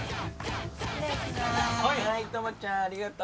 トモちゃんありがとう。